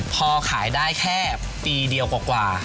พอขายได้แค่ปีเดียวกว่า